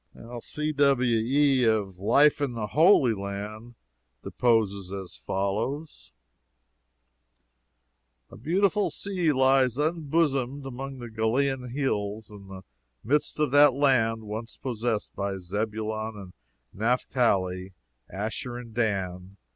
"C. W. E.," (of "Life in the Holy Land,") deposes as follows: "A beautiful sea lies unbosomed among the Galilean hills, in the midst of that land once possessed by Zebulon and Naphtali, Asher and Dan.